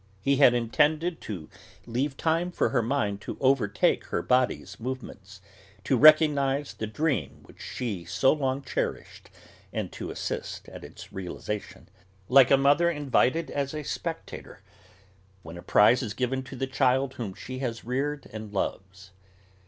He had intended to leave time for her mind to overtake her body's movements, to recognise the dream which she had so long cherished and to assist at its realisation, like a mother invited as a spectator when a prize is given to the child whom she has reared and loves.